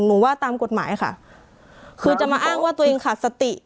ว่าตามกฎหมายค่ะคือจะมาอ้างว่าตัวเองขาดสติ